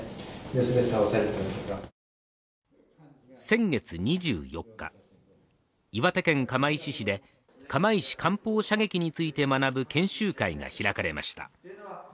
先月２４日、岩手県釜石市で釜石艦砲射撃について学ぶ研修会が開かれました。